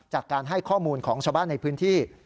จากการให้ข้อมูลของชาวบ้านในพื้นที่